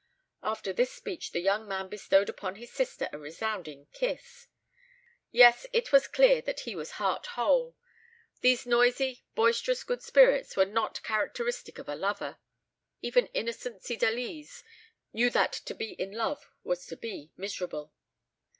After this speech the young man bestowed upon his sister a resounding kiss. Yes; it was clear that he was heart whole. These noisy, boisterous good spirits were not characteristic of a lover. Even innocent Cydalise knew that to be in love was to be miserable.